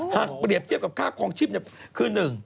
หากเปรียบเทียบกับค่าความชีพคือหนึ่ง